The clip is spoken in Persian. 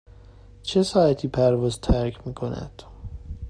چه ساعتی پرواز ترک می کند؟